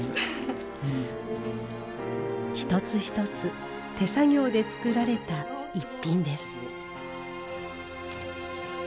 一つ一つ手作業で作られた逸品です。